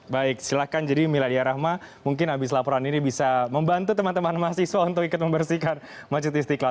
baik silahkan jadi miladia rahma mungkin habis laporan ini bisa membantu teman teman mahasiswa untuk ikut membersihkan masjid istiqlal